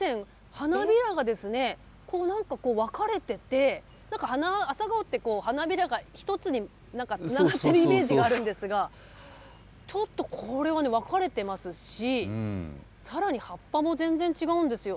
花びらがですね、こう、なんかこう、分かれてて、なんか花、朝顔って花びらが１つになんかつながっているイメージがあるんですが、ちょっとこれはね、分かれてますし、さらに葉っぱも全然違うんですよ。